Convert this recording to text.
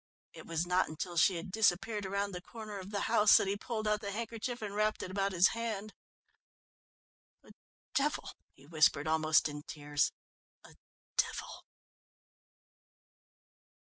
It was not until she had disappeared round the corner of the house that he pulled out the handkerchief and wrapped it about his hand. "A devil," he whimpered, almost in tears, "a devil!"